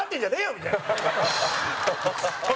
みたいな。